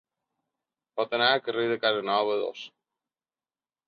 Pot anar a Carrer de Casanova, dos.